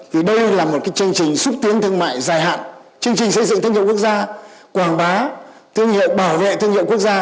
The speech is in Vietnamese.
vì đây là một chương trình xúc tiến thương mại dài hạn chương trình xây dựng thương hiệu quốc gia quảng bá thương hiệu bảo vệ thương hiệu quốc gia